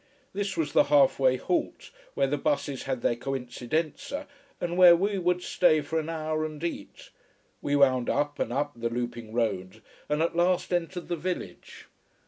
This was the half way halt, where the buses had their coincidenza, and where we would stay for an hour and eat. We wound up and up the looping road, and at last entered the village.